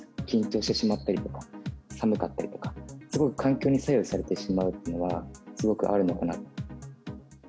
緊張してしまったりとか、寒かったりとか、すごく環境に左右されてしまうというのは、すごくあるのかな。